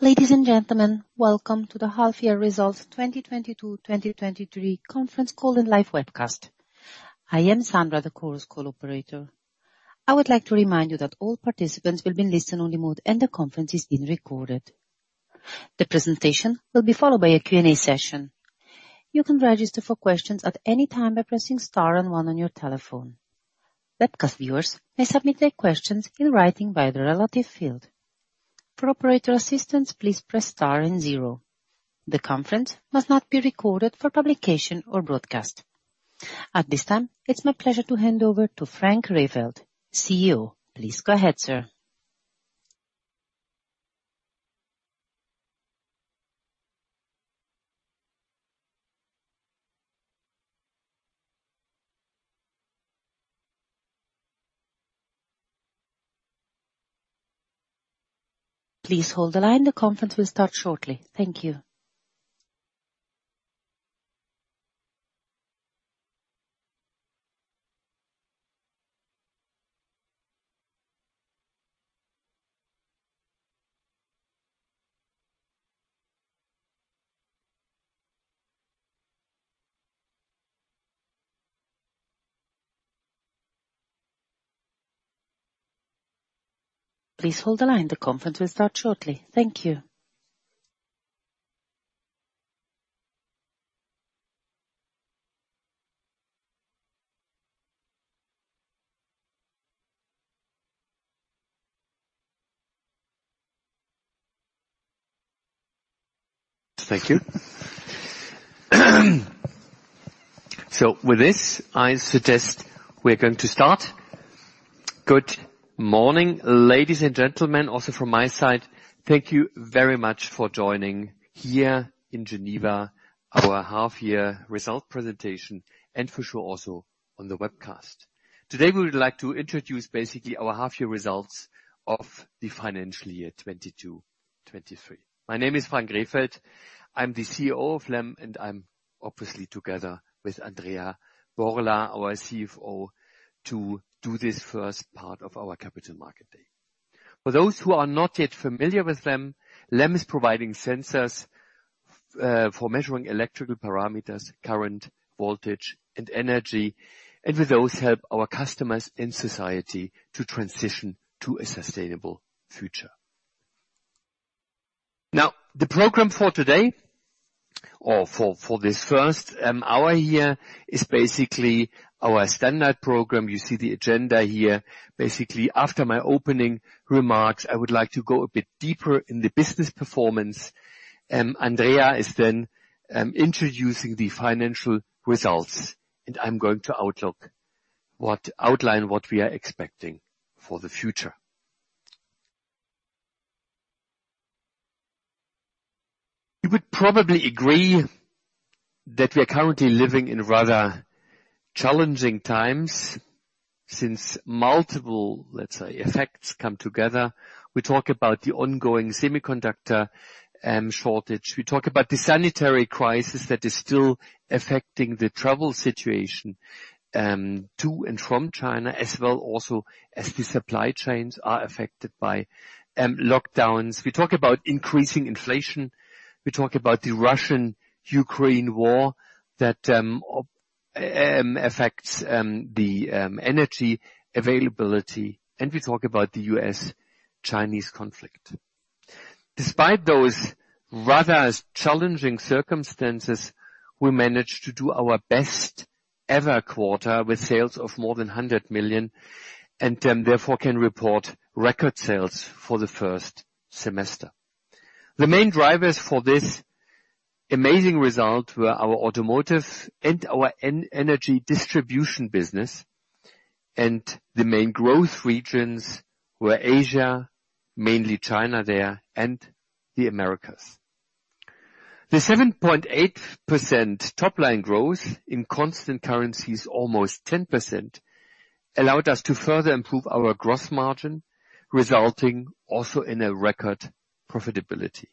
Ladies and gentlemen, welcome to the half year results 2022/2023 conference call and live webcast. I am Sandra, the Chorus Call operator. I would like to remind you that all participants will be in listen only mode and the conference is being recorded. The presentation will be followed by a Q&A session. You can register for questions at any time by pressing star and 1 on your telephone. Webcast viewers may submit their questions in writing by the relative field. For operator assistance, please press star and 0. The conference must not be recorded for publication or broadcast. At this time, it's my pleasure to hand over to Frank Rehfeld, CEO. Please go ahead, sir. Please hold the line. The conference will start shortly. Thank you. Please hold the line. The conference will start shortly. Thank you. Thank you. With this, I suggest we're going to start. Good morning, ladies and gentlemen. Also from my side, thank you very much for joining here in Geneva, our half year result presentation, and for sure also on the webcast. Today we would like to introduce basically our half year results of the financial year 2022-2023. My name is Frank Rehfeld. I'm the CEO of LEM, and I'm obviously together with Andrea Borla, our CFO, to do this first part of our capital market day. For those who are not yet familiar with LEM is providing sensors for measuring electrical parameters, current, voltage, and energy, and with those help our customers in society to transition to a sustainable future. The program for today or for this first hour here is basically our standard program. You see the agenda here. After my opening remarks, I would like to go a bit deeper in the business performance. Andrea is then introducing the financial results, and I'm going to outline what we are expecting for the future. You would probably agree that we are currently living in rather challenging times since multiple, let's say, effects come together. We talk about the ongoing semiconductor shortage. We talk about the sanitary crisis that is still affecting the travel situation, to and from China as well also as the supply chains are affected by lockdowns. We talk about increasing inflation. We talk about the Russian-Ukraine war that affects the energy availability. We talk about the U.S.-Chinese conflict. Despite those rather challenging circumstances, we managed to do our best ever quarter with sales of more than 100 million and, therefore, can report record sales for the first semester. The main drivers for this amazing result were our automotive and our energy distribution business, and the main growth regions were Asia, mainly China there, and the Americas. The 7.8% top line growth in constant currencies almost 10%, allowed us to further improve our gross margin, resulting also in a record profitability.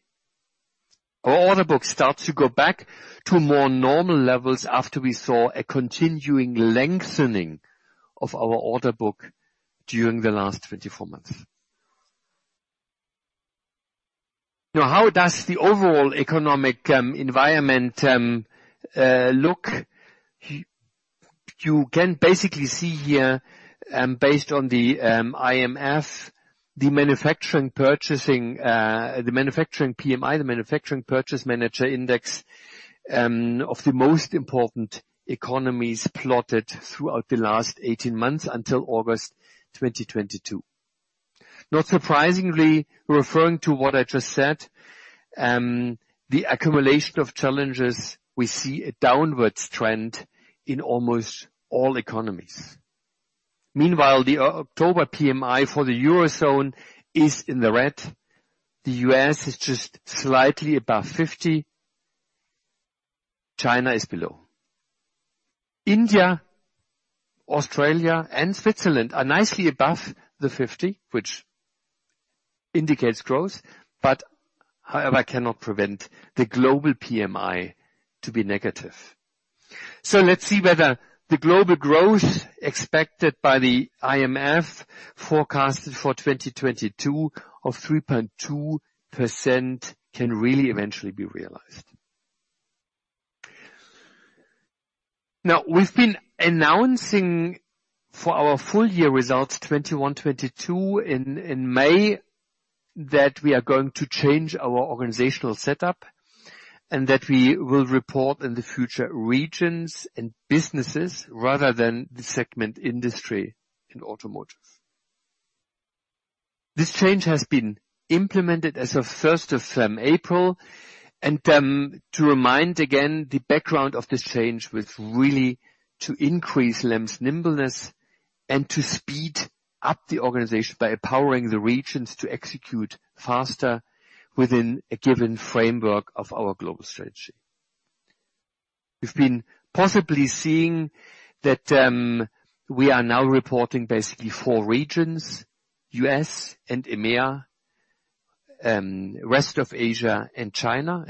Our order book starts to go back to more normal levels after we saw a continuing lengthening of our order book during the last 24 months. How does the overall economic environment look? You can basically see here, based on the IMF, the manufacturing PMI, the manufacturing purchase manager index, of the most important economies plotted throughout the last 18 months until August 2022. Not surprisingly, referring to what I just said, the accumulation of challenges we see a downwards trend in almost all economies. Meanwhile, the October PMI for the Eurozone is in the red. The U.S. is just slightly above 50. China is below. India, Australia, and Switzerland are nicely above the 50, which indicates growth, however, cannot prevent the global PMI to be negative. Let's see whether the global growth expected by the IMF forecasted for 2022 of 3.2% can really eventually be realized. We've been announcing for our full year results 2021, 2022 in May that we are going to change our organizational setup and that we will report in the future regions and businesses rather than the segment industry and automotive. This change has been implemented as of 1st of April, to remind again the background of this change was really to increase LEM's nimbleness and to speed up the organization by empowering the regions to execute faster within a given framework of our global strategy. You've been possibly seeing that we are now reporting basically four regions, U.S. and EMEA, rest of Asia and China.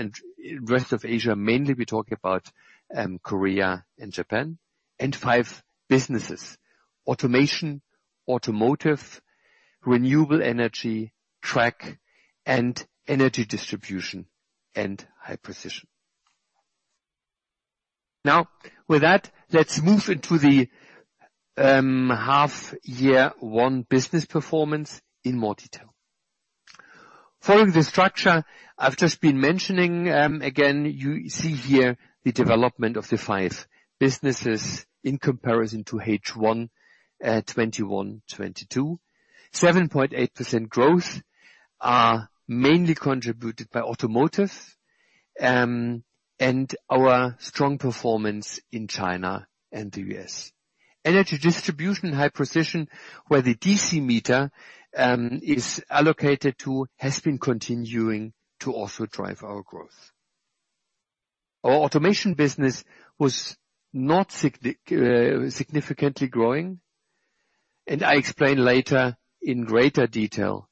Rest of Asia, mainly we talk about Korea and Japan, and five businesses: automation, automotive, renewable energy, track, and energy distribution and high precision. With that, let's move into the half year one business performance in more detail. Following the structure I've just been mentioning, again, you see here the development of the five businesses in comparison to H1 2021, 2022. 7.8% growth are mainly contributed by automotive, our strong performance in China and the U.S. Energy distribution high precision where the DC meter is allocated to has been continuing to also drive our growth. Our automation business was not significantly growing, I explain later in greater detail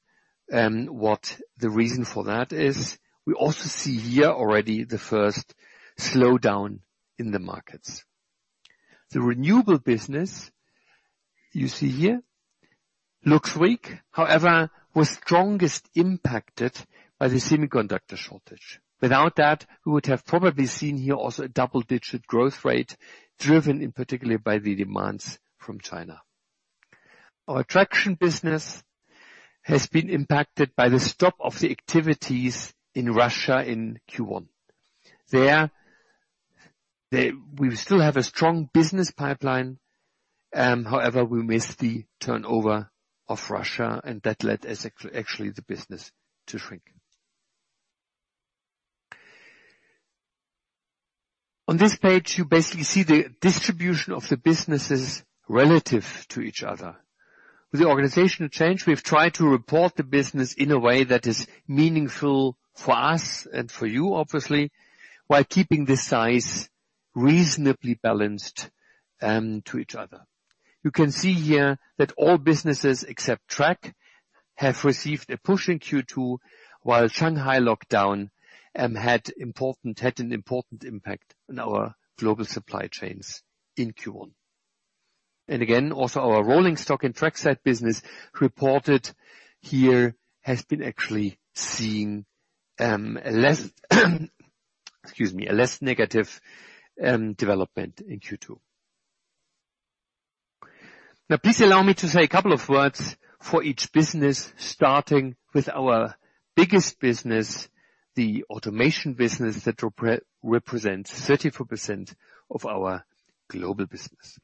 what the reason for that is. We also see here already the first slowdown in the markets. The renewable business you see here looks weak, however, was strongest impacted by the semiconductor shortage. Without that, we would have probably seen here also a double-digit growth rate driven in particular by the demands from China. Our traction business has been impacted by the stop of the activities in Russia in Q1. We still have a strong business pipeline. However, we missed the turnover of Russia and that led actually the business to shrink. On this page, you basically see the distribution of the businesses relative to each other. With the organizational change, we've tried to report the business in a way that is meaningful for us and for you obviously, while keeping the size reasonably balanced to each other. You can see here that all businesses except Track have received a push in Q2 while Shanghai lockdown had an important impact on our global supply chains in Q1. Again, also our rolling stock and trackside business reported here has been actually seeing a less negative development in Q2. Please allow me to say a couple of words for each business, starting with our biggest business, the automation business that represents 34% of our global business.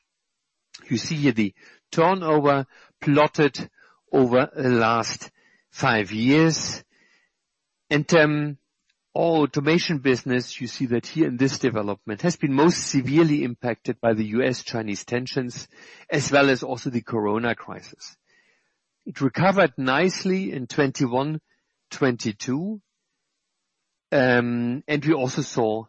You see here the turnover plotted over the last five years and our automation business, you see that here in this development, has been most severely impacted by the U.S.-Chinese tensions as well as also the Corona crisis. It recovered nicely in 2021, 2022, we also saw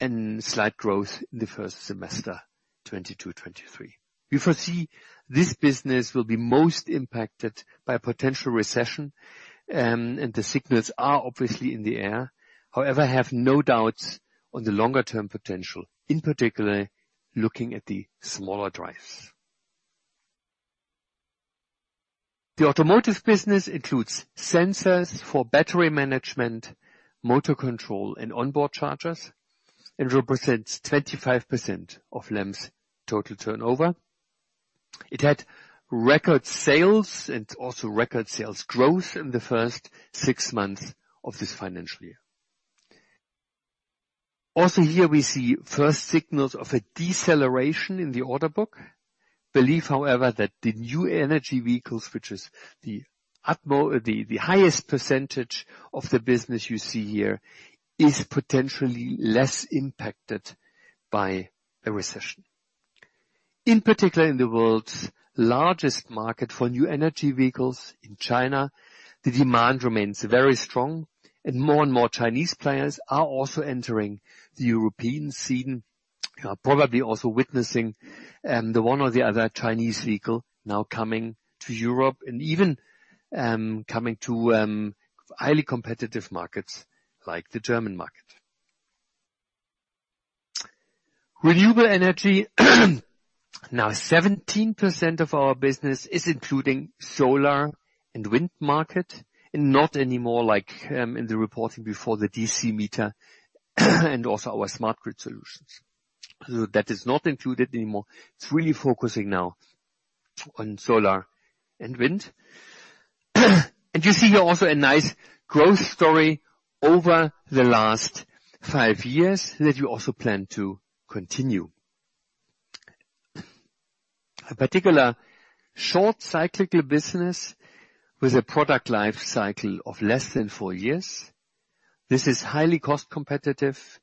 a slight growth in the first semester 2022, 2023. We foresee this business will be most impacted by a potential recession, the signals are obviously in the air. However, I have no doubts on the longer term potential, in particular, looking at the smaller drives. The automotive business includes sensors for battery management, motor control, and onboard chargers and represents 25% of LEM's total turnover. It had record sales and also record sales growth in the first six months of this financial year. Here we see first signals of a deceleration in the order book. Believe, however, that the new energy vehicles, which is the highest percentage of the business you see here, is potentially less impacted by a recession. In particular in the world's largest market for new energy vehicles in China, the demand remains very strong and more and more Chinese players are also entering the European scene. You are probably also witnessing the one or the other Chinese vehicle now coming to Europe and even, coming to Of highly competitive markets like the German market. Renewable energy. 17% of our business is including solar and wind market, and not any more like in the reporting before the DC meter and also our smart grid solutions. That is not included anymore. It's really focusing now on solar and wind. You see here also a nice growth story over the last five years that we also plan to continue. A particular short cyclical business with a product life cycle of less than four years. This is highly cost competitive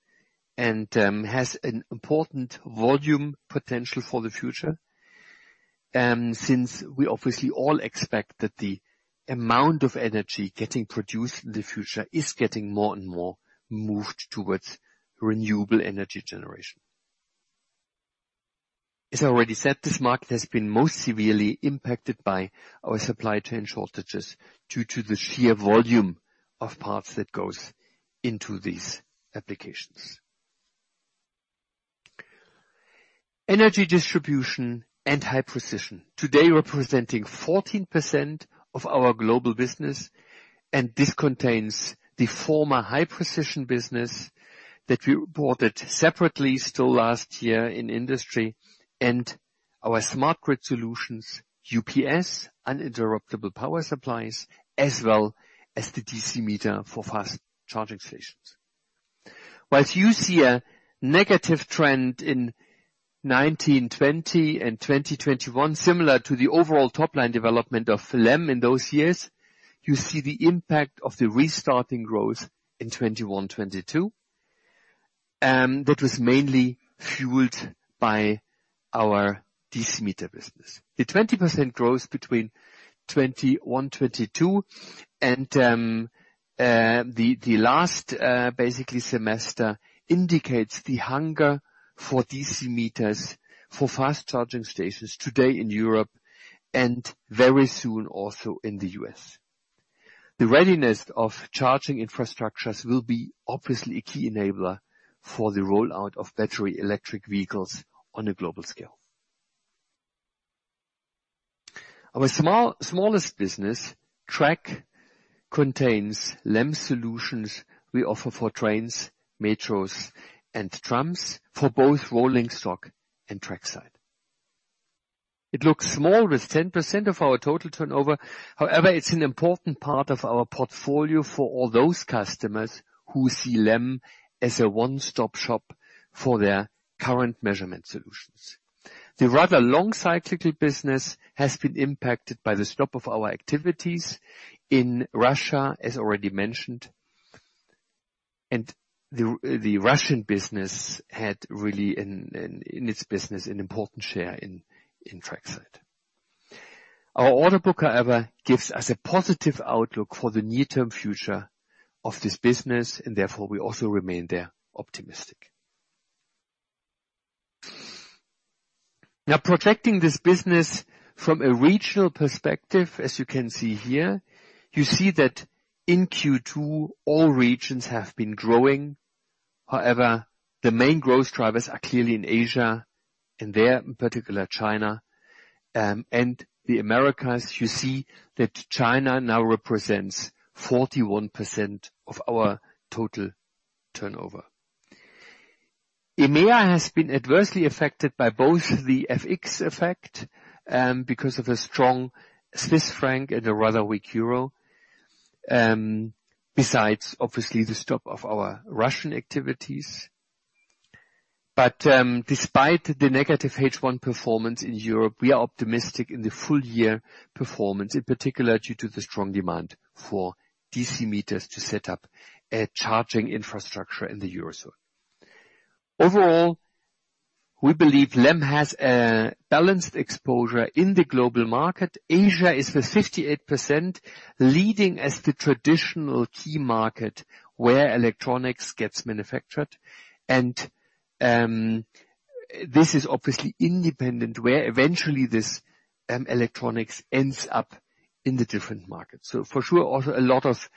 and has an important volume potential for the future, since we obviously all expect that the amount of energy getting produced in the future is getting more and more moved towards renewable energy generation. As I already said, this market has been most severely impacted by our supply chain shortages due to the sheer volume of parts that goes into these applications. Energy distribution and high precision. Today, representing 14% of our global business, and this contains the former high-precision business that we reported separately till last year in industry and our smart grid solutions, UPS, uninterruptible power supplies, as well as the DC meter for fast charging stations. Whilst you see a negative trend in 2019 and 2020, 2021, similar to the overall top line development of LEM in those years. You see the impact of the restarting growth in 2021, 2022, that was mainly fueled by our DC meter business. The 20% growth between 2021, 2022 and the last basically semester indicates the hunger for DC meters for fast charging stations today in Europe and very soon also in the U.S. The readiness of charging infrastructures will be obviously a key enabler for the rollout of battery electric vehicles on a global scale. Our smallest business, track, contains LEM solutions we offer for trains, metros, and trams for both rolling stock and trackside. It looks small with 10% of our total turnover. It's an important part of our portfolio for all those customers who see LEM as a one-stop shop for their current measurement solutions. The rather long cyclical business has been impacted by the stop of our activities in Russia, as already mentioned, and the Russian business had really in its business an important share in trackside. Our order book, however, gives us a positive outlook for the near-term future of this business, and therefore, we also remain there optimistic. Protecting this business from a regional perspective, as you can see here, you see that in Q2, all regions have been growing. The main growth drivers are clearly in Asia and there, in particular China, and the Americas. You see that China now represents 41% of our total turnover. EMEA has been adversely affected by both the FX effect, because of the strong Swiss franc and a rather weak euro, besides obviously the stop of our Russian activities. Despite the negative H1 performance in Europe, we are optimistic in the full year performance, in particular due to the strong demand for DC meters to set up a charging infrastructure in the Eurozone. Overall, we believe LEM has a balanced exposure in the global market. Asia is the 58% leading as the traditional key market where electronics gets manufactured. This is obviously independent, where eventually this electronics ends up in the different markets. For sure, also a lot of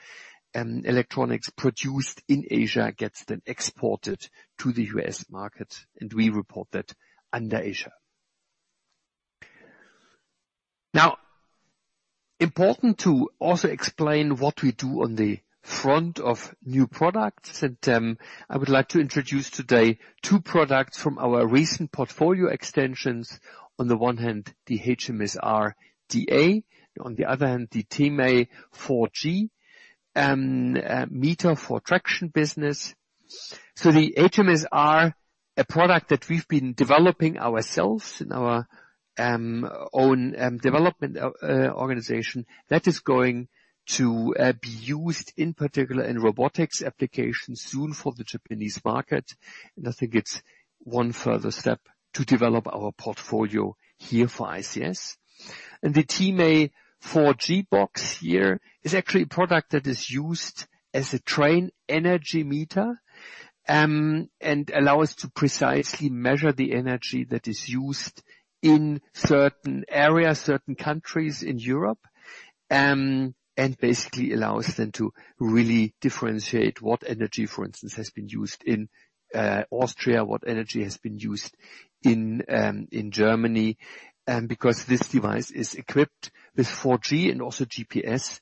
electronics produced in Asia gets then exported to the U.S. market, and we report that under Asia. Important to also explain what we do on the front of new products. I would like to introduce today two products from our recent portfolio extensions. On the one hand, the HMSR DA. On the other hand, the TEMA4G meter for traction business. The HMSR, a product that we've been developing ourselves in our own development organization, that is going to be used in particular in robotics applications soon for the Japanese market. I think it's one further step to develop our portfolio here for ICS. The TEMA4G box here is actually a product that is used as a train energy meter, and allow us to precisely measure the energy that is used in certain areas, certain countries in Europe. Basically allows them to really differentiate what energy, for instance, has been used in Austria, what energy has been used in Germany, because this device is equipped with 4G and also GPS,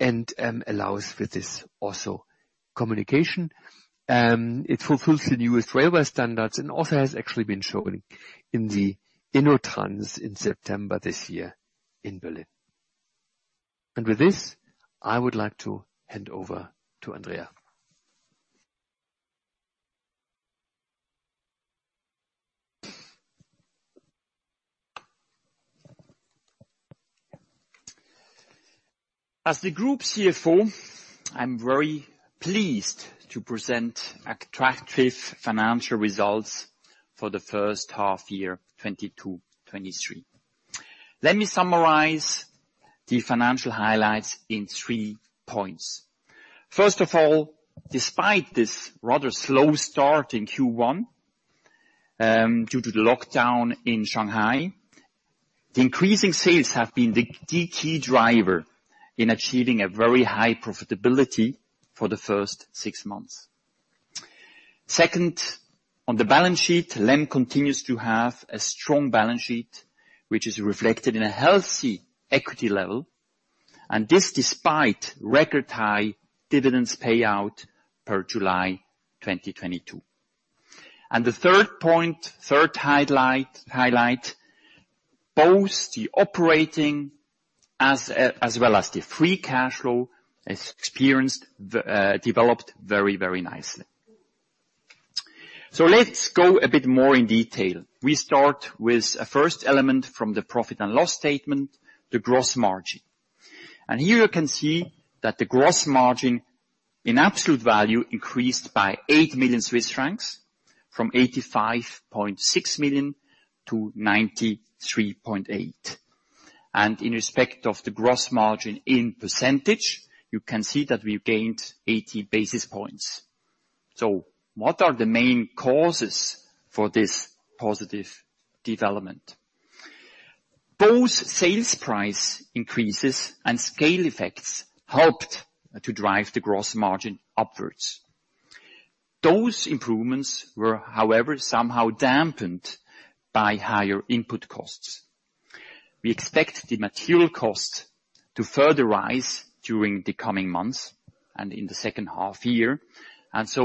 and allows for this also communication. It fulfills the newest railway standards, and also has actually been shown in the InnoTrans in September this year in Berlin. With this, I would like to hand over to Andrea. As the group CFO, I'm very pleased to present attractive financial results for the first half year 22/23. Let me summarize the financial highlights in three points. First of all, despite this rather slow start in Q1, due to the lockdown in Shanghai, the increasing sales have been the key driver in achieving a very high profitability for the first six months. Second, on the balance sheet, LEM continues to have a strong balance sheet, which is reflected in a healthy equity level, and this despite record high dividends payout per July 2022. The third point, third highlight, both the operating as well as the free cash flow experienced, developed very, very nicely. Let's go a bit more in detail. We start with a first element from the profit and loss statement, the gross margin. Here you can see that the gross margin in absolute value increased by 8 million Swiss francs, from 85.6 million to 93.8 million. In respect of the gross margin in percentage, you can see that we've gained 80 basis points. What are the main causes for this positive development? Both sales price increases and scale effects helped to drive the gross margin upwards. Those improvements were, however, somehow dampened by higher input costs. We expect the material cost to further rise during the coming months and in the second half year.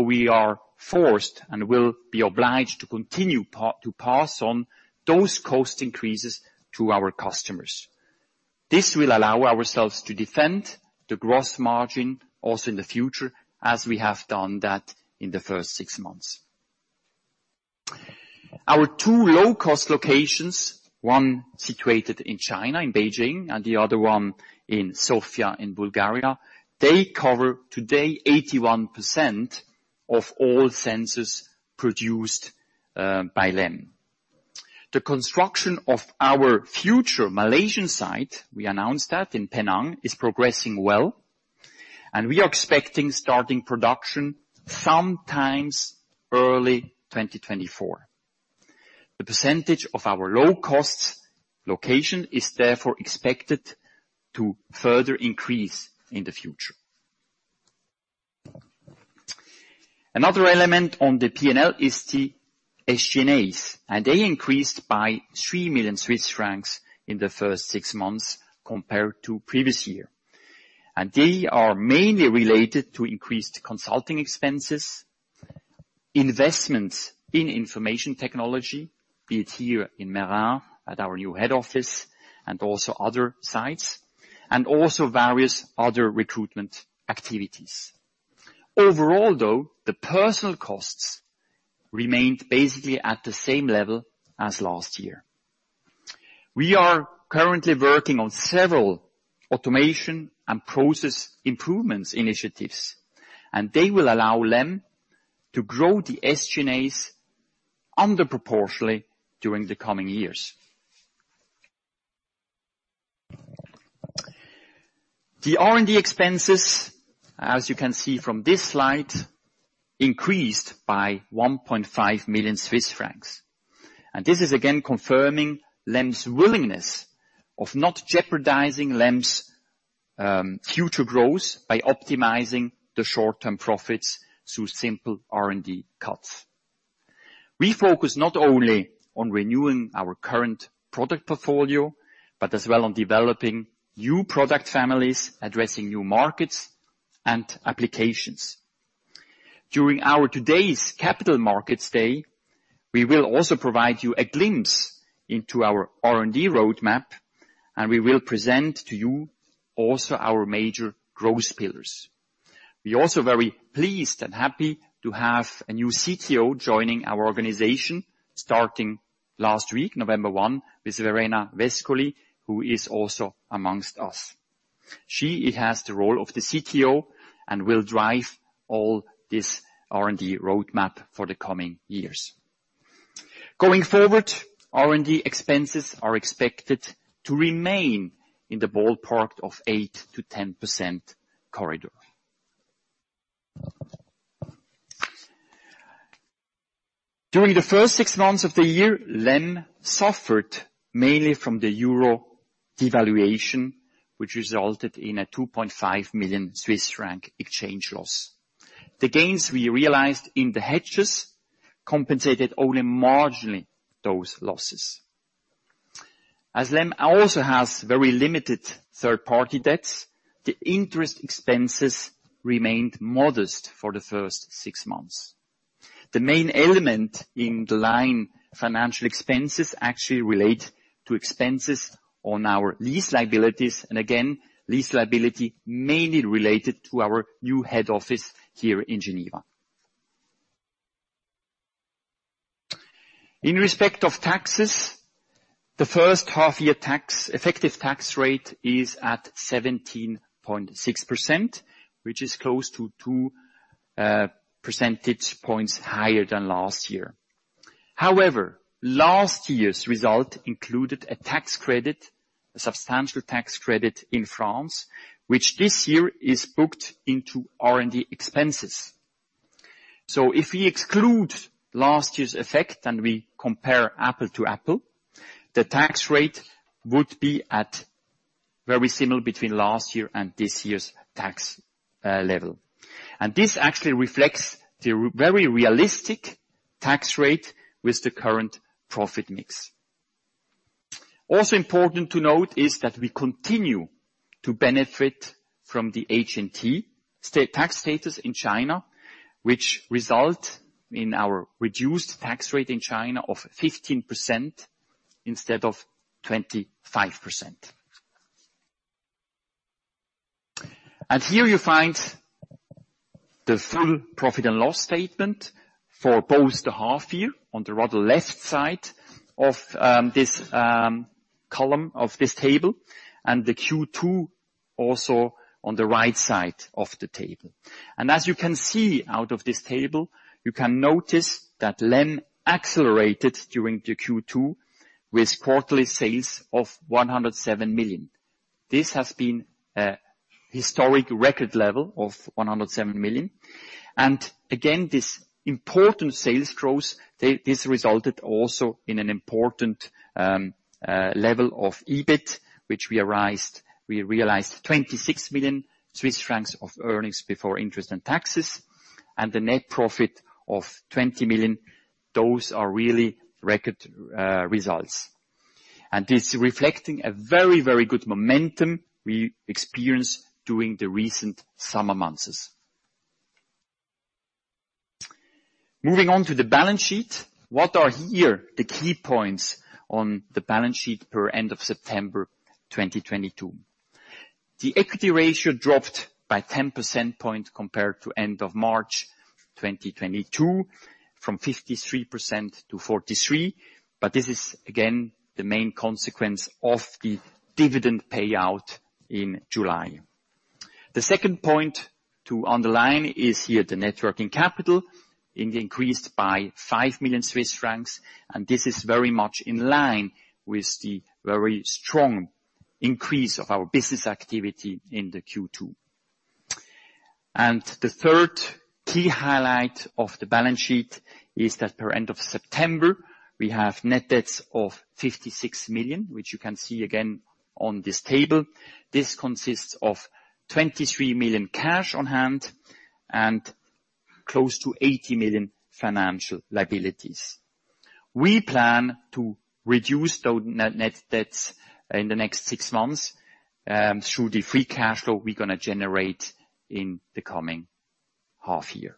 We are forced and will be obliged to continue to pass on those cost increases to our customers. This will allow ourselves to defend the gross margin also in the future, as we have done that in the first six months. Our two low-cost locations, one situated in China, in Beijing, and the other one in Sofia, in Bulgaria, they cover today 81% of all sensors produced by LEM. The construction of our future Malaysian site, we announced that in Penang, is progressing well, and we are expecting starting production sometimes early 2024. The percentage of our low costs location is therefore expected to further increase in the future. Another element on the P&L is the SG&As. They increased by 3 million Swiss francs in the first six months compared to previous year. They are mainly related to increased consulting expenses, investments in information technology, be it here in Meyrin at our new head office and also other sites, and also various other recruitment activities. Overall, though, the personal costs remained basically at the same level as last year. We are currently working on several automation and process improvements initiatives. They will allow LEM to grow the SG&As under proportionally during the coming years. The R&D expenses, as you can see from this slide, increased by 1.5 million Swiss francs. This is again confirming LEM's willingness of not jeopardizing LEM's future growth by optimizing the short-term profits through simple R&D cuts. We focus not only on renewing our current product portfolio, but as well on developing new product families, addressing new markets and applications. During our today's Capital Markets Day, we will also provide you a glimpse into our R&D roadmap. We will present to you also our major growth pillars. We're also very pleased and happy to have a new CTO joining our organization, starting last week, November 1, with Verena Vescoli, who is also amongst us. She has the role of the CTO and will drive all this R&D roadmap for the coming years. Going forward, R&D expenses are expected to remain in the ballpark of 8%-10% corridor. During the first six months of the year, LEM suffered mainly from the euro devaluation, which resulted in a 2.5 million Swiss franc exchange loss. The gains we realized in the hedges compensated only marginally those losses. As LEM also has very limited third-party debts, the interest expenses remained modest for the first six months. The main element in the line financial expenses actually relate to expenses on our lease liabilities. Lease liability mainly related to our new head office here in Geneva. In respect of taxes, the first half year effective tax rate is at 17.6%, which is close to two percentage points higher than last year. However, last year's result included a substantial tax credit in France, which this year is booked into R&D expenses. If we exclude last year's effect and we compare apple to apple, the tax rate would be at very similar between last year and this year's tax level. This actually reflects the very realistic tax rate with the current profit mix. Also important to note is that we continue to benefit from the HNTE state tax status in China, which result in our reduced tax rate in China of 15% instead of 25%. Here you find the full Profit and Loss Statement for both the half year on the rather left side of this column of this table, and the Q2 also on the right side of the table. As you can see out of this table, you can notice that LEM accelerated during the Q2 with quarterly sales of 107 million. This has been a historic record level of 107 million. Again, this important sales growth, this resulted also in an important level of EBIT, which we realized 26 million Swiss francs of earnings before interest and taxes, and the net profit of 20 million. Those are really record results. This reflecting a very good momentum we experienced during the recent summer months. Moving on to the Balance Sheet. What are here the key points on the Balance Sheet per end of September 2022? The equity ratio dropped by 10% point compared to end of March 2022 from 53% to 43%, this is again the main consequence of the dividend payout in July. The second point to underline is here the net working capital. It increased by 5 million Swiss francs, this is very much in line with the very strong increase of our business activity in the Q2. The third key highlight of the Balance Sheet is that per end of September, we have net debts of 56 million, which you can see again on this table. This consists of 23 million cash on hand and close to 80 million financial liabilities. We plan to reduce those net debts in the next six months, through the free cash flow we're going to generate in the coming half year.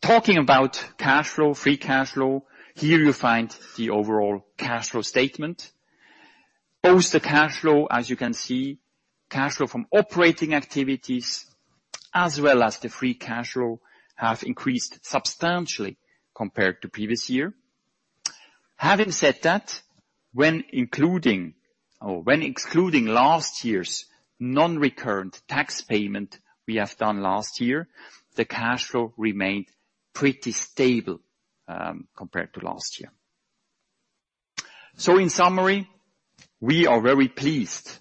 Talking about cash flow, free cash flow, here you'll find the overall Cash Flow Statement. Both the Cash Flow, as you can see, Cash Flow from Operating Activities, as well as the free cash flow, have increased substantially compared to previous year. Having said that, when excluding last year's non-recurrent tax payment we have done last year, the cash flow remained pretty stable compared to last year. In summary, we are very pleased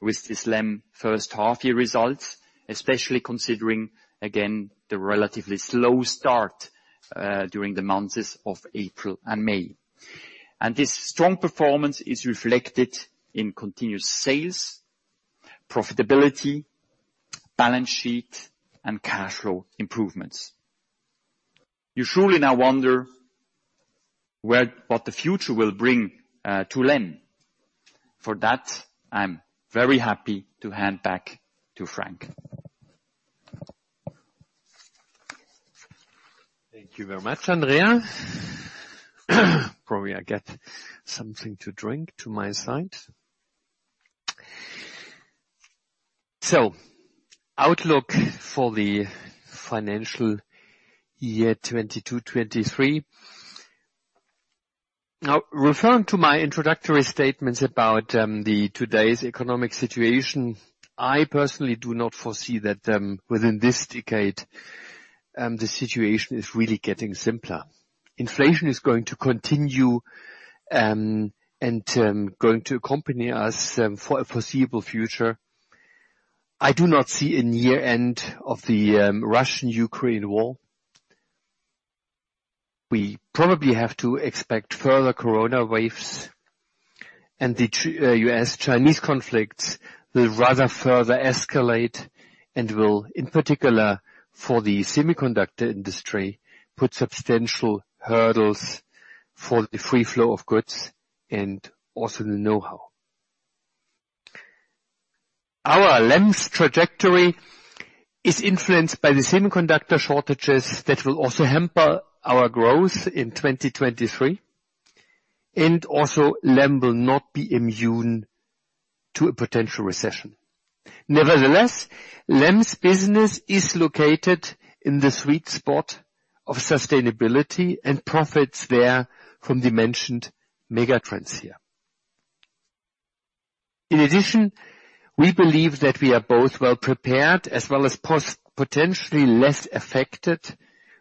with this LEM first half year results, especially considering, again, the relatively slow start during the months of April and May. This strong performance is reflected in continuous sales, profitability, Balance Sheet, and cash flow improvements. You surely now wonder what the future will bring to LEM. For that, I'm very happy to hand back to Frank. Thank you very much, Andrea. Probably I get something to drink to my side. Outlook for the financial year 2022, 2023. Referring to my introductory statements about the today's economic situation, I personally do not foresee that within this decade the situation is really getting simpler. Inflation is going to continue and going to accompany us for a foreseeable future. I do not see a near end of the Russian-Ukraine war. We probably have to expect further coronavirus waves. The U.S.-Chinese conflicts will rather further escalate and will, in particular, for the semiconductor industry, put substantial hurdles for the free flow of goods and also the know-how. LEM's trajectory is influenced by the semiconductor shortages that will also hamper our growth in 2023. LEM will not be immune to a potential recession. Nevertheless, LEM's business is located in the sweet spot of sustainability and profits there from the mentioned mega trends here. We believe that we are both well prepared as well as potentially less affected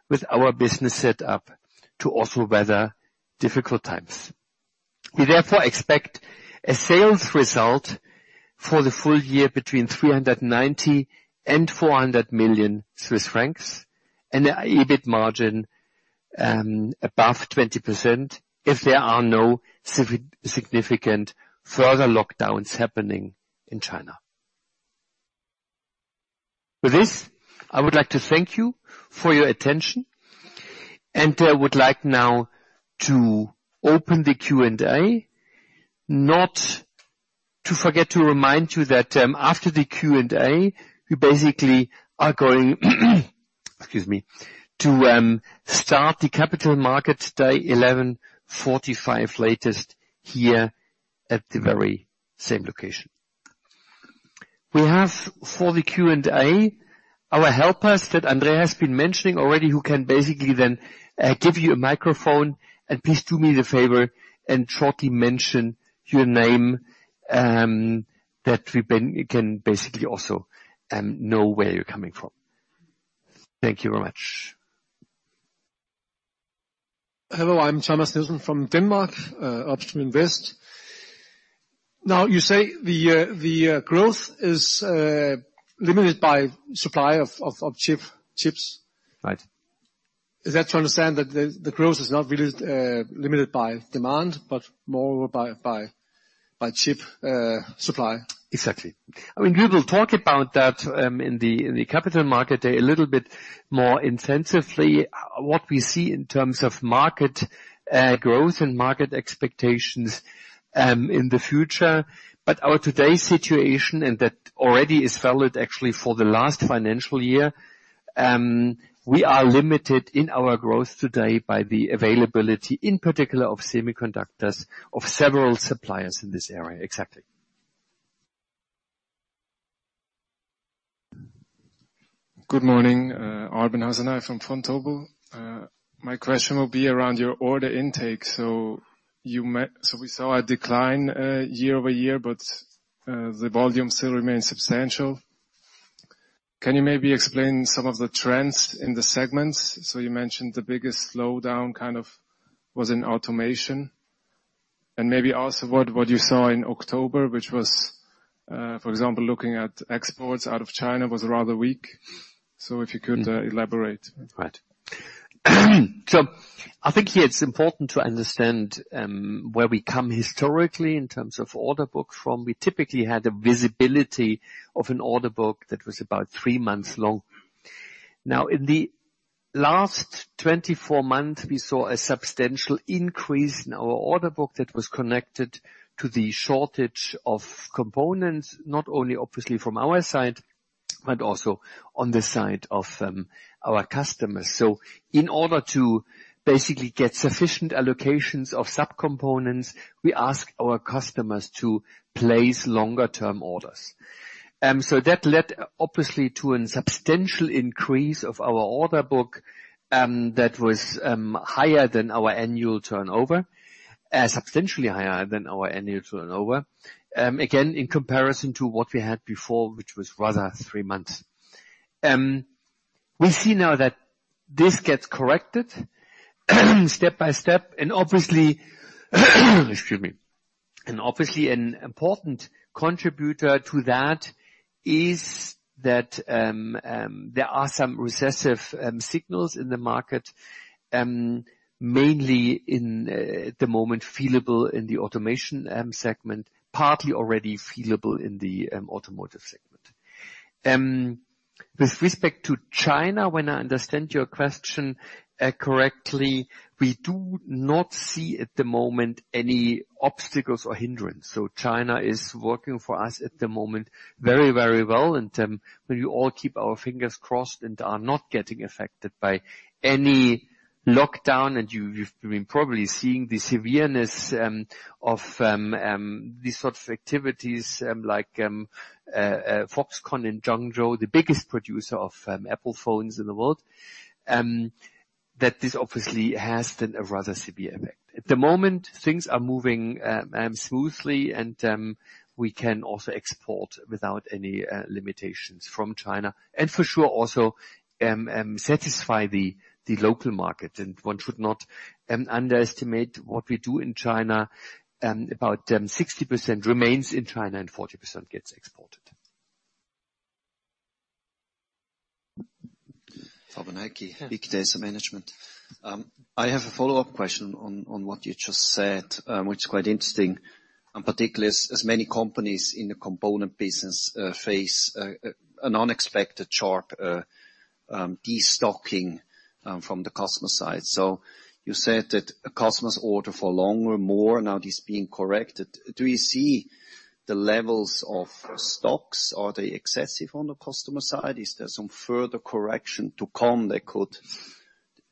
with our business set up to also weather difficult times. We expect a sales result for the full year between 390 million and 400 million Swiss francs, and an EBIT margin above 20% if there are no significant further lockdowns happening in China. With this, I would like to thank you for your attention and I would like now to open the Q&A. To remind you that, after the Q&A, we are going to start the capital market day 11:45 latest here at the very same location. We have for the Q&A our helpers that Andrea has been mentioning already, who can give you a microphone and please do me the favor and shortly mention your name, that we can also know where you're coming from. Thank you very much. Hello, I'm Thomas Nelson from Denmark, Obstrum Invest. You say the growth is limited by supply of chips. Right. Is that to understand that the growth is not really limited by demand, but more by chip supply? Exactly. We will talk about that in the capital market day a little bit more intensively. What we see in terms of market growth and market expectations in the future, our today situation, and that already is valid actually for the last financial year, we are limited in our growth today by the availability, in particular of semiconductors of several suppliers in this area. Exactly. Good morning. Arben Hasanaj from Vontobel. My question will be around your order intake. We saw a decline year-over-year, the volume still remains substantial. Can you maybe explain some of the trends in the segments? You mentioned the biggest slowdown was in automation. Maybe also what you saw in October, which was, for example, looking at exports out of China was rather weak. If you could elaborate. Right. I think here it's important to understand where we come historically in terms of order book from. We typically had a visibility of an order book that was about three months long. Now in the last 24 months, we saw a substantial increase in our order book that was connected to the shortage of components, not only obviously from our side, but also on the side of our customers. In order to basically get sufficient allocations of sub-components, we ask our customers to place longer term orders. That led obviously to a substantial increase of our order book, that was higher than our annual turnover, substantially higher than our annual turnover. Again, in comparison to what we had before, which was rather three months. We see now that this gets corrected step by step. Obviously an important contributor to that is that there are some recessive signals in the market, mainly at the moment feelable in the automation segment, partly already feelable in the automotive segment. With respect to China, when I understand your question correctly, we do not see at the moment any obstacles or hindrance. China is working for us at the moment very well and we all keep our fingers crossed and are not getting affected by any lockdown. You've been probably seeing the severeness of these sort of activities, like Foxconn in Zhengzhou, the biggest producer of Apple phones in the world, that this obviously has been a rather severe effect. At the moment, things are moving smoothly and we can also export without any limitations from China. For sure, also satisfy the local market. One should not underestimate what we do in China. About 60% remains in China and 40% gets exported. Heikki, big data management. I have a follow-up question on what you just said, which is quite interesting, and particularly as many companies in the component business face an unexpected sharp de-stocking from the customer side. You said that a customer's order for longer, more, now it is being corrected. Do you see the levels of stocks, are they excessive on the customer side? Is there some further correction to come that could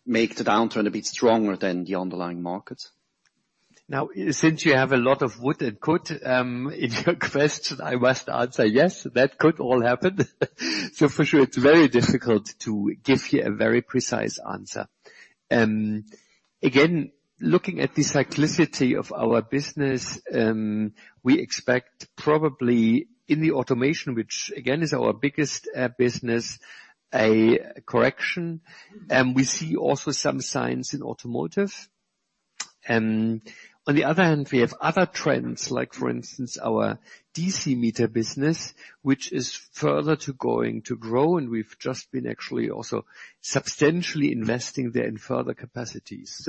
make the downturn a bit stronger than the underlying markets? Now, since you have a lot of would and could in your question, I must answer yes, that could all happen. For sure, it's very difficult to give you a very precise answer. Again, looking at the cyclicity of our business, we expect probably in the automation, which again, is our biggest business, a correction. We see also some signs in automotive. On the other hand, we have other trends, like for instance, our DC meter business, which is further to going to grow, and we've just been actually also substantially investing there in further capacities.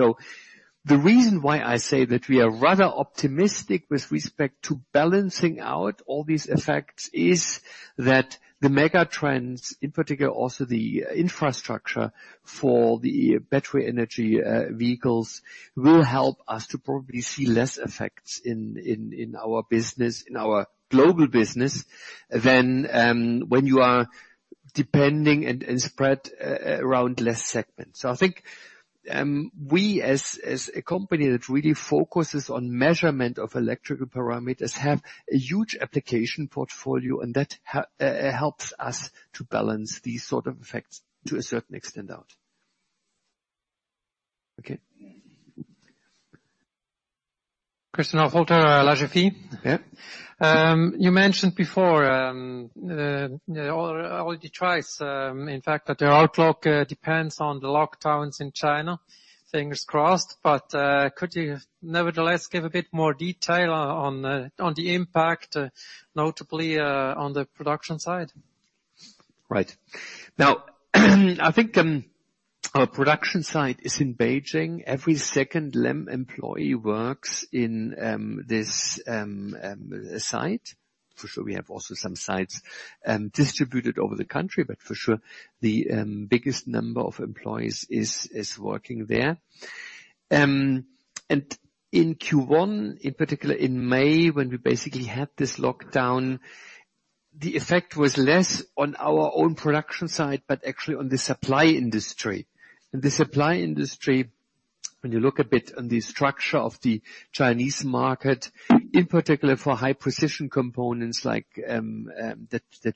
The reason why I say that we are rather optimistic with respect to balancing out all these effects is that the mega trends, in particular, also the infrastructure for the Battery Electric Vehicles, will help us to probably see less effects in our business, in our global business, than when you are depending and spread around less segments. I think, we as a company that really focuses on measurement of electrical parameters, have a huge application portfolio, and that helps us to balance these sort of effects to a certain extent out. Okay. Christian Hölter, [La Gefy]. Yeah. You mentioned before, already twice, in fact, that the outlook depends on the lockdowns in China, fingers crossed. Could you nevertheless give a bit more detail on the impact, notably on the production side? Right. Now, I think our production site is in Beijing. Every second LEM employee works in this site. For sure we have also some sites distributed over the country, but for sure the biggest number of employees is working there. In Q1, in particular in May, when we basically had this lockdown, the effect was less on our own production side, but actually on the supply industry. The supply industry, when you look a bit on the structure of the Chinese market, in particular for high precision components that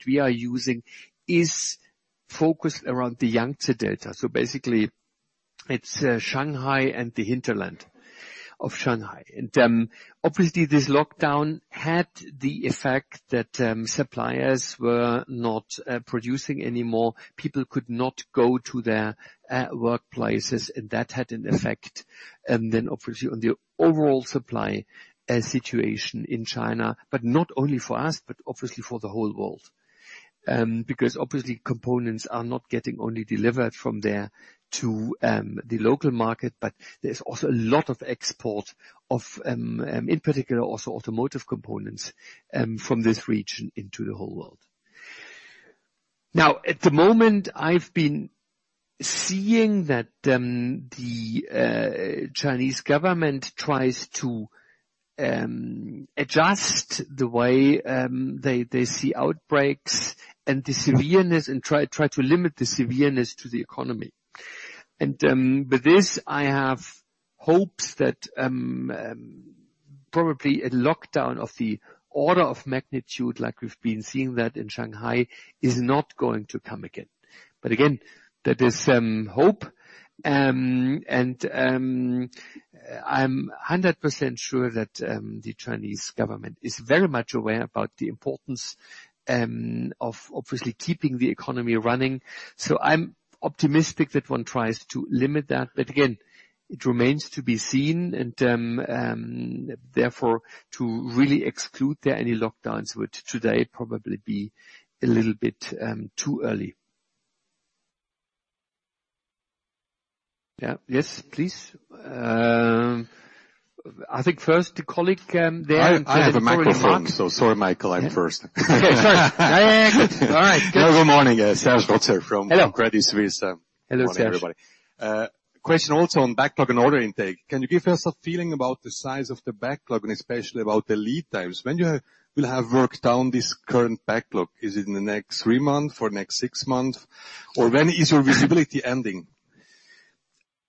we are using, is focused around the Yangtze Delta. Basically, it's Shanghai and the hinterland of Shanghai. Obviously this lockdown had the effect that suppliers were not producing anymore. People could not go to their workplaces, and that had an effect. Obviously on the overall supply situation in China, but not only for us, but obviously for the whole world. Obviously components are not getting only delivered from there to the local market, but there's also a lot of export of, in particular, also automotive components from this region into the whole world. At the moment I've been seeing that the Chinese government tries to adjust the way they see outbreaks and the severeness and try to limit the severeness to the economy. With this, I have hopes that probably a lockdown of the order of magnitude like we've been seeing that in Shanghai is not going to come again. Again, that is hope. I'm 100% sure that the Chinese government is very much aware about the importance of obviously keeping the economy running. I'm optimistic that one tries to limit that. Again, it remains to be seen and, therefore to really exclude that any lockdowns would today probably be a little bit too early. Yeah. Yes, please. I think first the colleague there and then Marc. I have a microphone, so sorry Michael, I'm first. Okay, sorry. Good. All right, good. Good morning. Serge Rotzer from Hello Credit Suisse. Hello, Serge. Good morning, everybody. Question also on backlog and order intake. Can you give us a feeling about the size of the backlog and especially about the lead times? When you will have worked down this current backlog? Is it in the next three months or next six months? Or when is your visibility ending?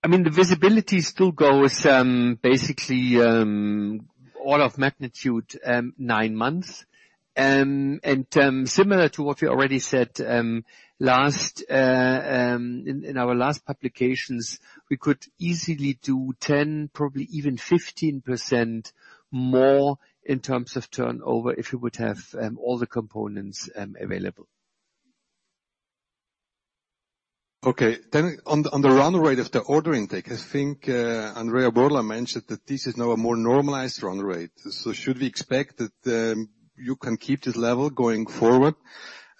I mean, the visibility still goes basically, all of magnitude, nine months. Similar to what we already said in our last publications, we could easily do 10%, probably even 15% more in terms of turnover if you would have all the components available. Okay. On the run rate of the order intake, I think Andrea Borla mentioned that this is now a more normalized run rate. Should we expect that you can keep this level going forward?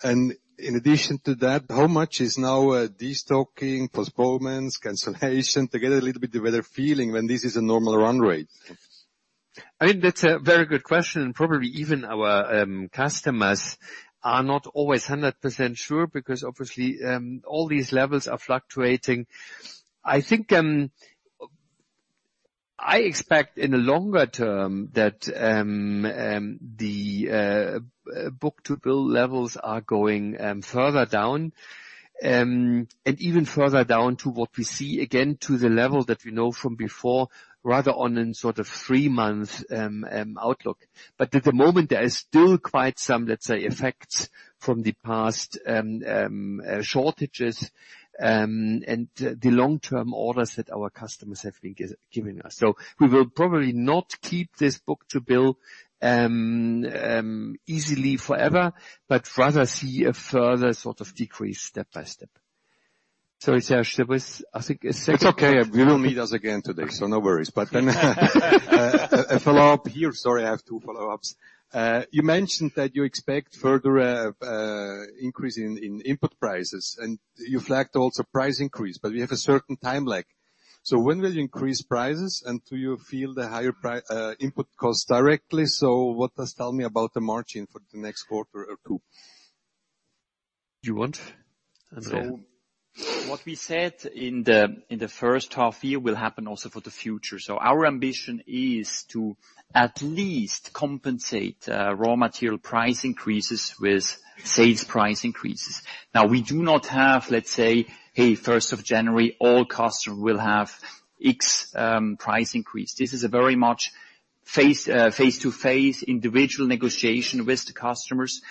In addition to that, how much is now destocking, postponements, cancellation to get a little bit of a better feeling when this is a normal run rate? That's a very good question. Probably even our customers are not always 100% sure because obviously, all these levels are fluctuating. I expect in the longer term that the book-to-bill levels are going further down, even further down to what we see, again, to the level that we know from before, rather on a sort of three-month outlook. At the moment, there is still quite some, let's say, effects from the past shortages, and the long-term orders that our customers have been giving us. We will probably not keep this book-to-bill easily forever, but rather see a further sort of decrease step by step. Sorry, Serge. It's okay. We will meet us again today, no worries. A follow-up here. Sorry, I have two follow-ups. You mentioned that you expect further increase in input prices. You flagged also price increase, but we have a certain time lag. When will you increase prices, do you feel the higher input costs directly? What does tell me about the margin for the next quarter or two? You want? Andrea. What we said in the first half-year will happen also for the future. Our ambition is to at least compensate raw material price increases with sales price increases. We do not have, let's say, "Hey, January 1, all customers will have X price increase." This is a very much face-to-face individual negotiation with the customers.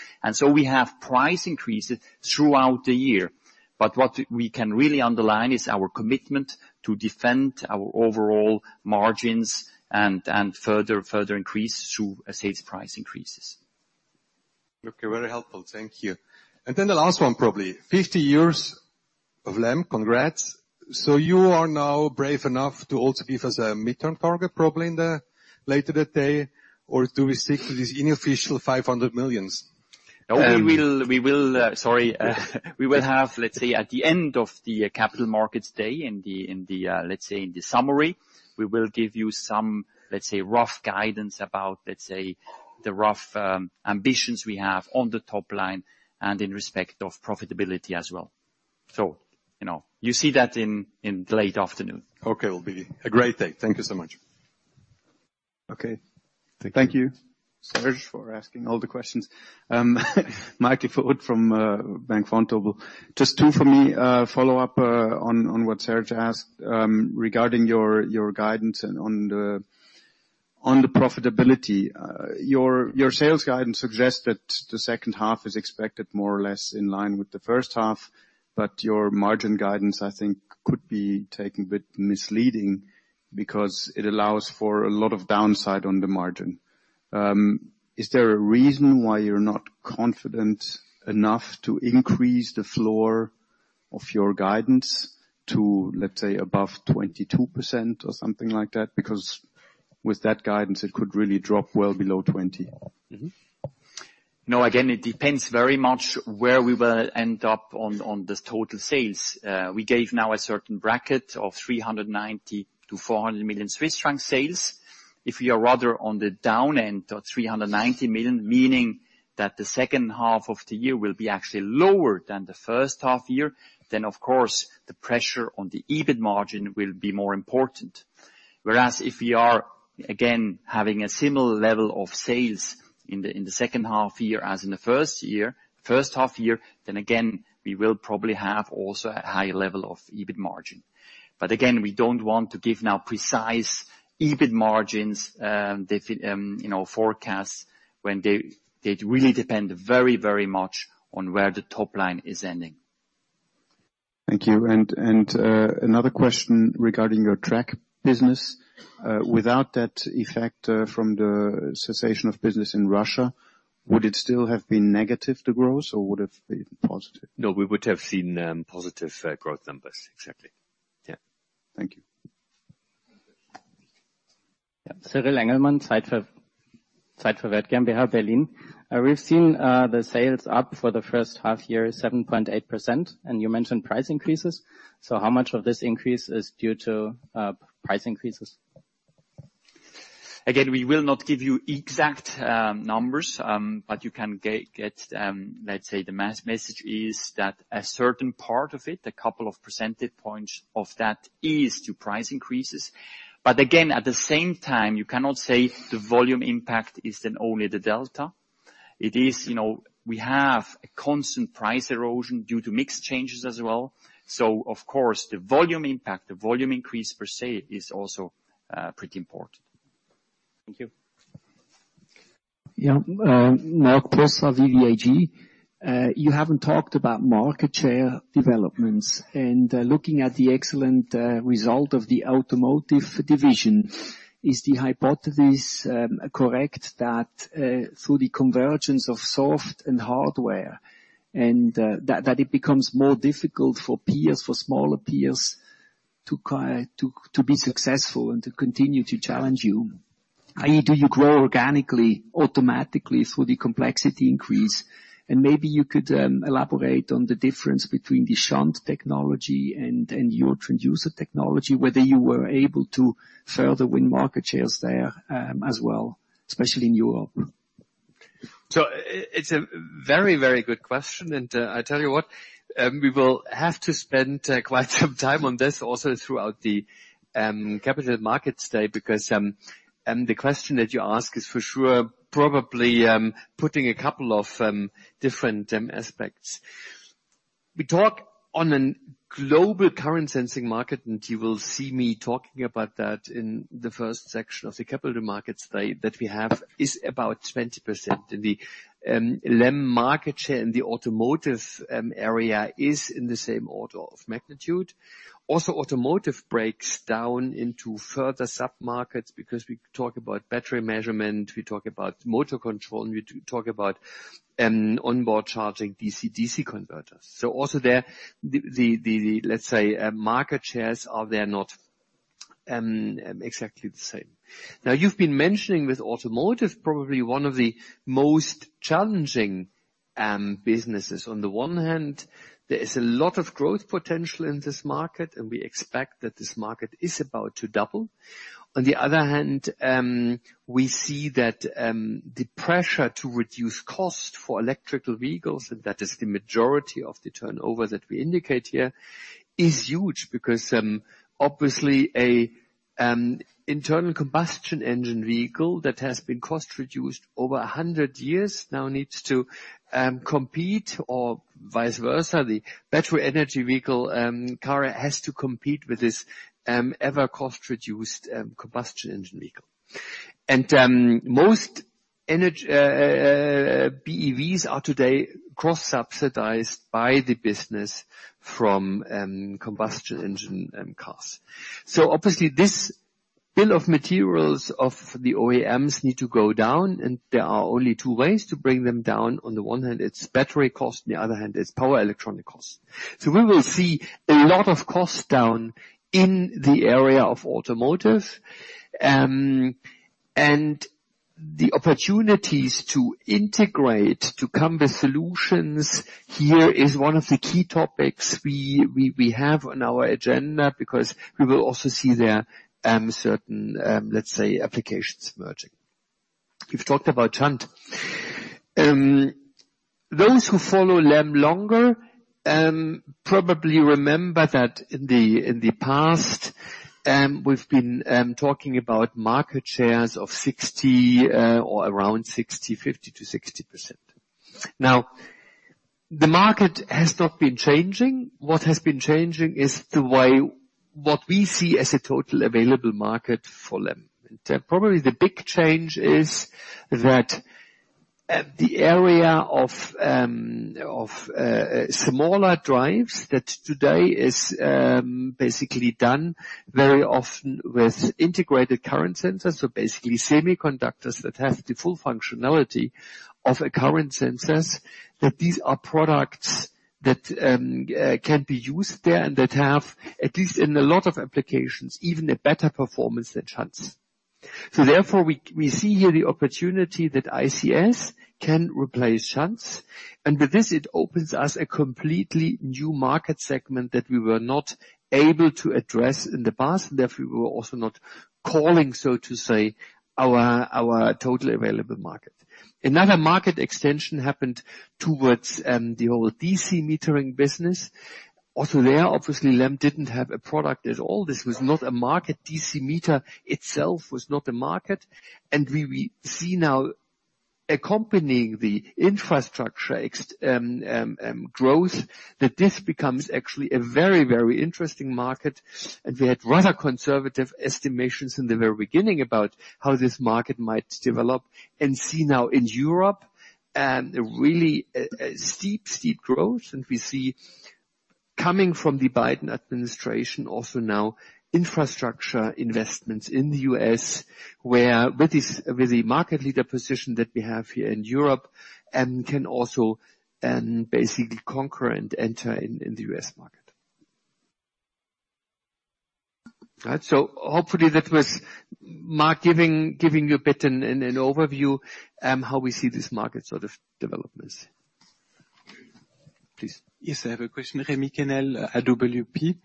We have price increases throughout the year. What we can really underline is our commitment to defend our overall margins and further increase through sales price increases. Okay. Very helpful. Thank you. Then the last one, probably. 50 years of LEM. Congrats. You are now brave enough to also give us a mid-term target, probably in the later that day? Do we stick to this unofficial 500 million? Sorry. We will have, let's say, at the end of the capital markets day in the summary. We will give you some rough guidance about the rough ambitions we have on the top line and in respect of profitability as well. You see that in the late afternoon. Okay. Will be a great day. Thank you so much. Okay. Thank you, Serge, for asking all the questions. Arben Hasanaj from Bank Vontobel. Just two for me. A follow-up on what Serge asked regarding your guidance on the profitability. Your sales guidance suggests that the second half is expected more or less in line with the first half, but your margin guidance, I think, could be taken a bit misleading because it allows for a lot of downside on the margin. Is there a reason why you're not confident enough to increase the floor of your guidance to, let's say, above 22% or something like that? Because with that guidance, it could really drop well below 20. No, again, it depends very much where we will end up on the total sales. We gave now a certain bracket of 390 million-400 million Swiss franc sales. If we are rather on the down end or 390 million, meaning that the second half of the year will be actually lower than the first half year, then of course the pressure on the EBIT margin will be more important. Whereas if we are, again, having a similar level of sales in the second half year as in the first half year, then again, we will probably have also a high level of EBIT margin. Again, we don't want to give now precise EBIT margins forecasts when they really depend very much on where the top line is ending. Thank you. Another question regarding your track business. Without that effect from the cessation of business in Russia, would it still have been negative, the growth, or would it have been positive? No, we would have seen positive growth numbers. Exactly. Yeah. Thank you. Cyril Engelmann, Zeit für Wert GmbH, Berlin. We've seen the sales up for the first half year, 7.8%. You mentioned price increases. How much of this increase is due to price increases? Again, we will not give you exact numbers. You can get, let's say, the message is that a certain part of it, a couple of percentage points of that is due to price increases. Again, at the same time, you cannot say the volume impact is then only the delta. We have a constant price erosion due to mix changes as well. Of course, the volume impact, the volume increase per se is also pretty important. Thank you. Yeah. Marc Prosser, VVAG. You haven't talked about market share developments. Looking at the excellent result of the automotive division, is the hypothesis correct that through the convergence of soft and hardware, and that it becomes more difficult for peers, for smaller peers, to be successful and to continue to challenge you? Do you grow organically, automatically through the complexity increase? Maybe you could elaborate on the difference between the shunt technology and your transducer technology, whether you were able to further win market shares there as well, especially in Europe. It's a very good question. I tell you what, we will have to spend quite some time on this also throughout the capital markets day, because the question that you ask is for sure probably putting a couple of different aspects. We talk on a global current sensing market. You will see me talking about that in the first section of the capital markets day, that we have is about 20% in the LEM market share and the automotive area is in the same order of magnitude. Automotive breaks down into further sub-markets because we talk about battery measurement, we talk about motor control, and we talk about onboard charging DC-DC converters. There, the, let's say, market shares are there not exactly the same. You've been mentioning with automotive, probably one of the most challenging businesses. On the one hand, there is a lot of growth potential in this market. We expect that this market is about to double. On the other hand, we see that the pressure to reduce cost for electrical vehicles, that is the majority of the turnover that we indicate here, is huge because, obviously an internal combustion engine vehicle that has been cost reduced over 100 years now needs to compete or vice versa. The battery energy vehicle, car has to compete with this ever cost reduced combustion engine vehicle. Most BEVs are today cross-subsidized by the business from combustion engine cars. Obviously this bill of materials of the OEMs need to go down. There are only two ways to bring them down. On the one hand, it's battery cost, on the other hand, it's power electronic cost. We will see a lot of cost down in the area of automotive. The opportunities to integrate, to come with solutions here is one of the key topics we have on our agenda because we will also see there certain, let's say, applications merging. You've talked about shunt. Those who follow LEM longer probably remember that in the past, we've been talking about market shares of 60 or around 60, 50%-60%. Now, the market has not been changing. What has been changing is the way, what we see as a total available market for LEM. Probably the big change is that the area of smaller drives that today is basically done very often with integrated current sensors. Basically semiconductors that have the full functionality of a current sensors. These are products that can be used there and that have, at least in a lot of applications, even a better performance than shunts. Therefore we see here the opportunity that ICS can replace shunts, with this it opens us a completely new market segment that we were not able to address in the past, and therefore we were also not calling, so to say, our total available market. Another market extension happened towards the whole DC metering business. Also there, obviously LEM didn't have a product at all. This was not a market. DC meter itself was not a market. We see now accompanying the infrastructure growth, that this becomes actually a very interesting market. We had rather conservative estimations in the very beginning about how this market might develop and see now in Europe, a really steep growth. We see coming from the Biden administration also now infrastructure investments in the U.S. where with the market leader position that we have here in Europe, and can also basically conquer and enter in the U.S. market. Hopefully that was, Marc, giving you a bit an overview, how we see this market sort of developments. Please. Yes, I have a question. Remo Känzig at WP.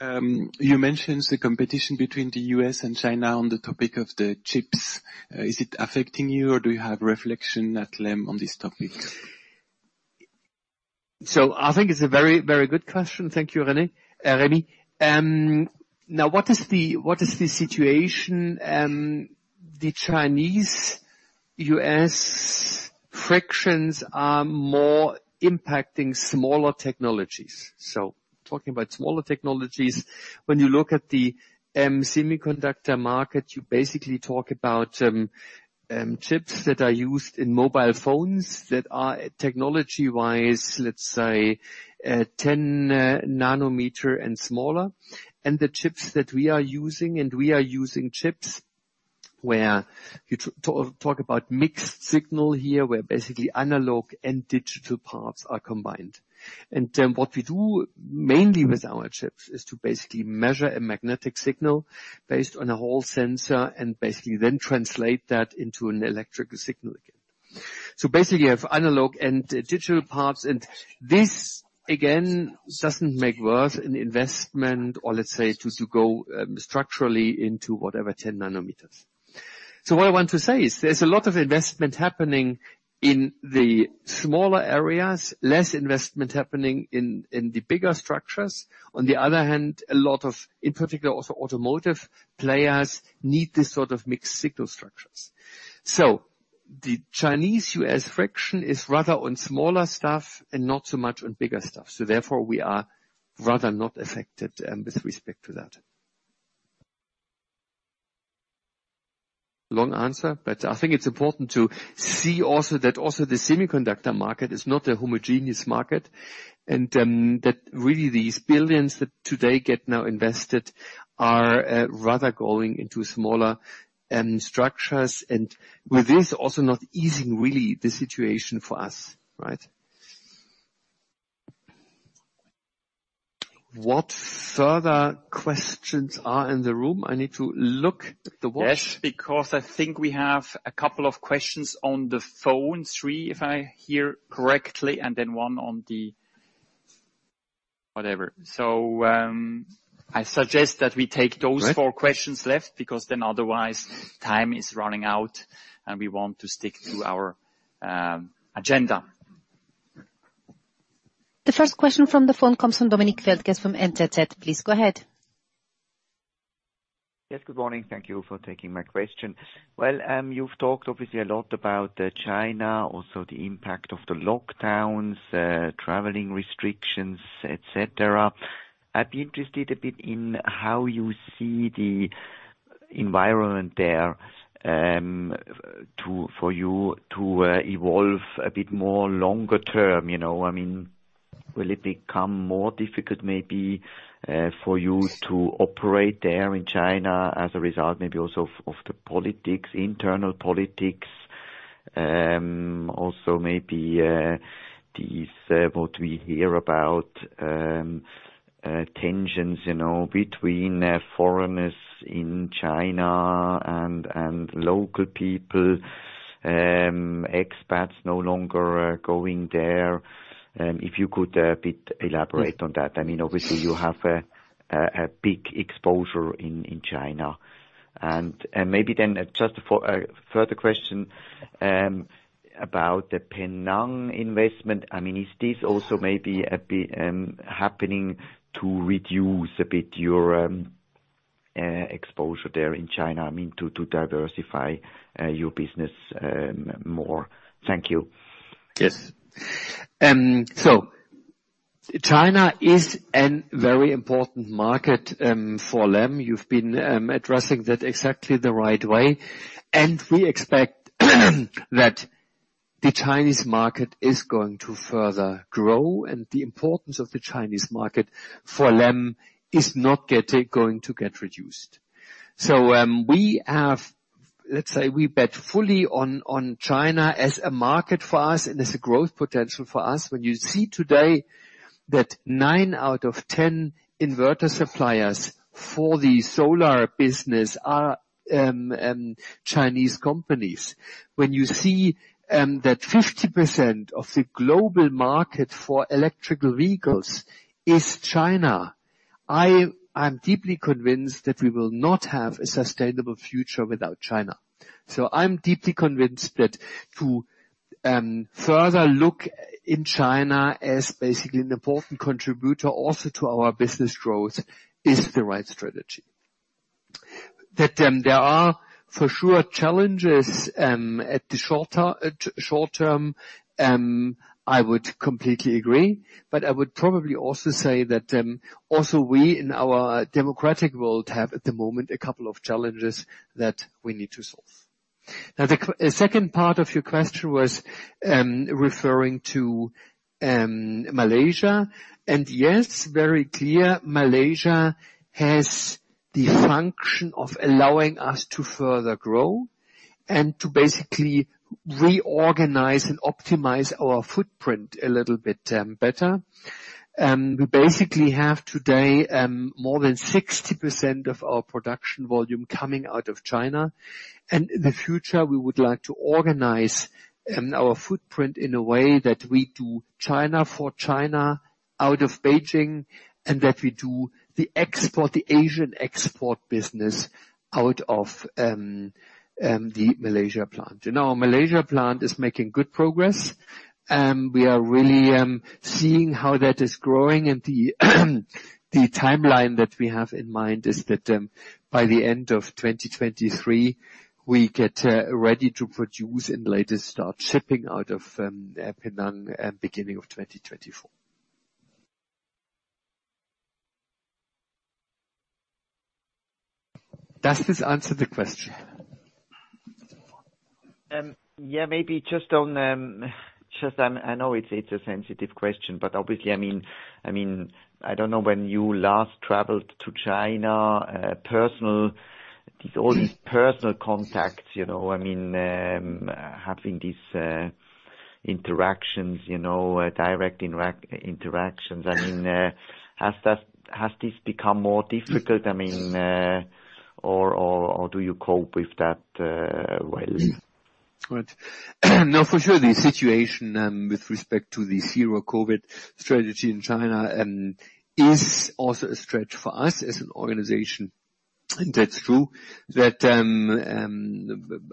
You mentioned the competition between the U.S. and China on the topic of the chips. Is it affecting you or do you have reflection at LEM on this topic? I think it's a very good question. Thank you, Remo. Now what is the situation? The Chinese-U.S. frictions are more impacting smaller technologies. Talking about smaller technologies, when you look at the semiconductor market, you basically talk about chips that are used in mobile phones that are technology-wise, let's say, 10 nanometer and smaller. The chips that we are using, and we are using chips where you talk about mixed-signal here, where basically analog and digital parts are combined. What we do mainly with our chips is to basically measure a magnetic signal based on a Hall sensor and basically then translate that into an electrical signal again. Basically, you have analog and digital parts, and this, again, doesn't make worth an investment or let's say, to go structurally into whatever 10 nanometers. What I want to say is there's a lot of investment happening in the smaller areas, less investment happening in the bigger structures. On the other hand, a lot of, in particular, also automotive players need this sort of mixed-signal structures. The Chinese-U.S. friction is rather on smaller stuff and not so much on bigger stuff. Therefore, we are rather not affected with respect to that. Long answer, but I think it's important to see also that also the semiconductor market is not a homogeneous market, and that really these billions that today get now invested are rather going into smaller structures, and with this also not easing really the situation for us. Right? What further questions are in the room? I need to look at the watch. Yes, because I think we have a couple of questions on the phone. Three, if I hear correctly, and then one on the whatever. I suggest that we take those four questions left, because then otherwise time is running out and we want to stick to our agenda. The first question from the phone comes from Dominic Feldges from NZZ. Please go ahead. Yes, good morning. Thank you for taking my question. Well, you've talked obviously a lot about China, also the impact of the lockdowns, traveling restrictions, et cetera. I'd be interested a bit in how you see the environment there, for you to evolve a bit more longer term. Will it become more difficult maybe for you to operate there in China as a result maybe also of the politics, internal politics? Also maybe these, what we hear about tensions between foreigners in China and local people, expats no longer going there. If you could a bit elaborate on that. Obviously you have a big exposure in China. Maybe then just a further question, about the Penang investment. Is this also maybe happening to reduce a bit your exposure there in China? To diversify your business more. Thank you. Yes. China is a very important market, for LEM. You've been addressing that exactly the right way, we expect that the Chinese market is going to further grow, and the importance of the Chinese market for LEM is not going to get reduced. Let's say we bet fully on China as a market for us and as a growth potential for us. When you see today that 9 out of 10 inverter suppliers for the solar business are Chinese companies. When you see that 50% of the global market for electrical vehicles is China. I am deeply convinced that we will not have a sustainable future without China. I'm deeply convinced that to further look in China as basically an important contributor also to our business growth is the right strategy. That there are for sure challenges at the short term, I would completely agree, I would probably also say that, also we in our democratic world have at the moment a couple of challenges that we need to solve. Now, the second part of your question was referring to Malaysia. Yes, very clear, Malaysia has the function of allowing us to further grow and to basically reorganize and optimize our footprint a little bit better. We basically have today more than 60% of our production volume coming out of China. In the future, we would like to organize our footprint in a way that we do China for China out of Beijing, and that we do the Asian export business out of the Malaysia plant. Our Malaysia plant is making good progress. We are really seeing how that is growing and the timeline that we have in mind is that by the end of 2023, we get ready to produce and later start shipping out of Penang at beginning of 2024. Does this answer the question? Yeah, maybe just on, I know it's a sensitive question, but obviously, I don't know when you last traveled to China. All these personal contacts, I mean, having this interactions, direct interactions. I mean, has this become more difficult? Do you cope with that well? Right. No, for sure, the situation with respect to the zero COVID strategy in China is also a stretch for us as an organization. That's true that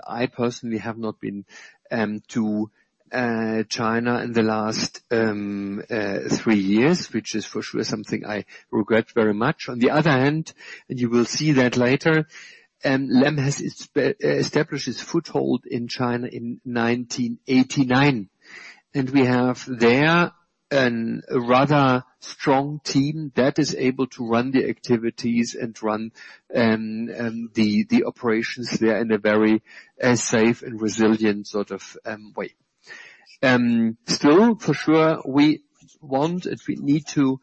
I personally have not been to China in the last three years, which is for sure something I regret very much. On the other hand, you will see that later, LEM has established its foothold in China in 1989. We have there a rather strong team there is able to run the activities and run the operations there in a very safe and resilient sort of way. Still, for sure, we want, and we need to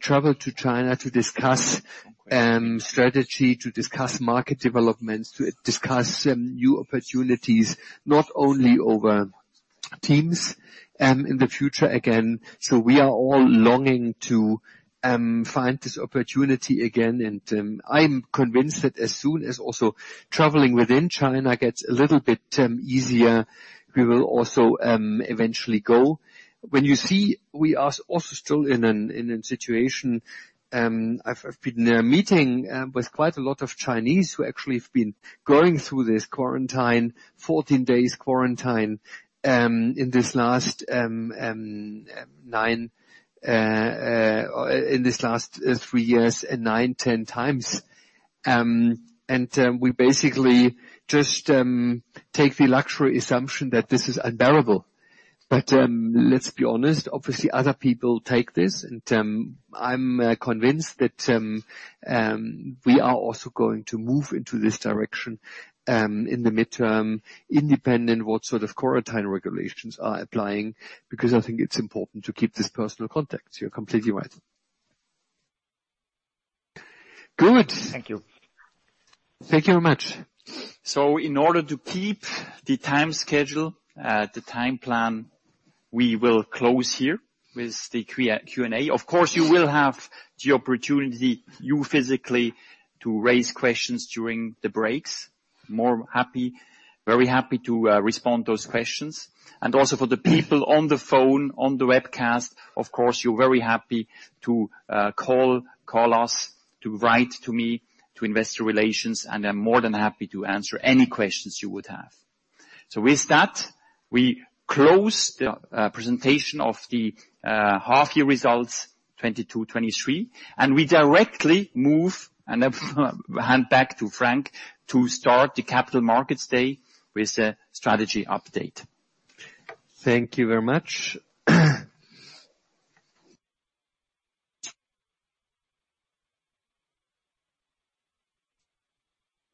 travel to China to discuss strategy, to discuss market developments, to discuss new opportunities, not only over Teams, in the future again. We are all longing to find this opportunity again, and I'm convinced that as soon as also traveling within China gets a little bit easier, we will also eventually go. When you see, we are also still in a situation. I've been in a meeting with quite a lot of Chinese who actually have been going through this quarantine, 14 days quarantine, in this last three years, nine, 10 times. We basically just take the luxury assumption that this is unbearable. Let's be honest, obviously other people take this, and I'm convinced that we are also going to move into this direction, in the midterm, independent what sort of quarantine regulations are applying, because I think it's important to keep this personal contact. You're completely right. Good. Thank you. Thank you very much. In order to keep the time schedule, the time plan, we will close here with the Q&A. Of course, you will have the opportunity, you physically, to raise questions during the breaks. Very happy to respond to those questions. Also for the people on the phone, on the webcast, of course, you're very happy to call us, to write to me, to investor relations, and I'm more than happy to answer any questions you would have. With that, we close the presentation of the half year results 2022/2023, and we directly move and hand back to Frank to start the Capital Markets Day with a strategy update. Thank you very much.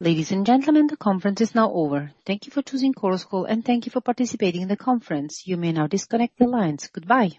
Ladies and gentlemen, the conference is now over. Thank you for choosing Chorus Call, and thank you for participating in the conference. You may now disconnect the lines. Goodbye.